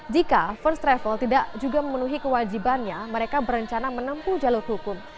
jika first travel tidak juga memenuhi kewajibannya mereka berencana menempuh jalur hukum